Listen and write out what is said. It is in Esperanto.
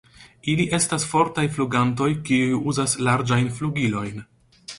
Ili estas fortaj flugantoj kiuj uzas larĝajn flugilojn.